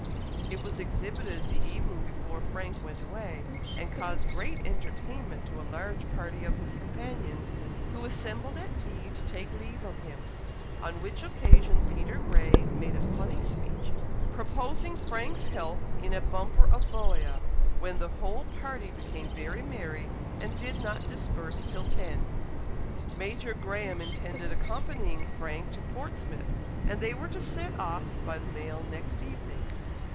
It was exhibited the evening before Frank went away, and caused great entertainment to a large party of his companions, who assembled at tea to take leave of him, on which occasion Peter Grey made a funny speech, proposing Frank's health in a bumper of bohea, when the whole party became very merry, and did not disperse till ten. Major Graham intended accompanying Frank to Portsmouth, and they were to set off by the mail next evening.